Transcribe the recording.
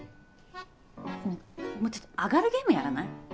もうちょっとアガるゲームやらない？